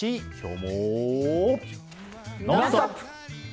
「ノンストップ！」。